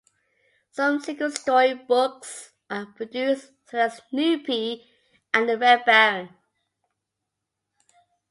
Some single-story books were produced, such as Snoopy and the Red Baron.